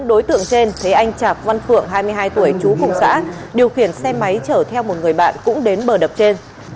đối tượng trên thấy anh chạp văn phượng hai mươi hai tuổi chú cùng xã điều khiển xe máy chở theo một người bạn cũng đến bờ đập trên